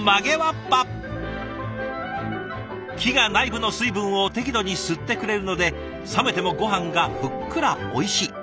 木が内部の水分を適度に吸ってくれるので冷めてもごはんがふっくらおいしい。